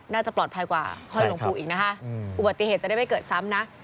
น่าจะปลอดภัยกว่าห้อยหลวงปู่อีกนะคะอุบัติเหตุจะได้ไม่เกิดซ้ำนะ